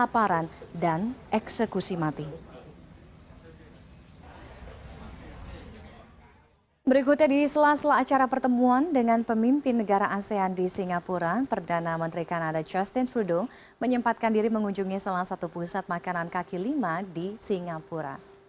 pemimpin negara asean di singapura perdana menteri kanada justin trudeau menyempatkan diri mengunjungi salah satu pusat makanan kaki lima di singapura